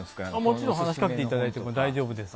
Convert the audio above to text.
もちろん話しかけていただいても大丈夫です。